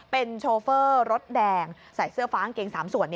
เป็นโชเฟอร์รถแดงใส่เสื้อฟ้ากางเกง๓ส่วน